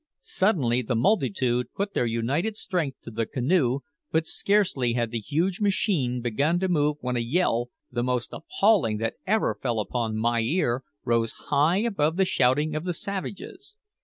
Suddenly the multitude put their united strength to the canoe; but scarcely had the huge machine begun to move when a yell, the most appalling that ever fell upon my ear, rose high above the shouting of the savages.